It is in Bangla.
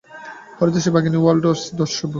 হরিদাসী, ভগিনী ওয়াল্ডো দ্রষ্টব্য।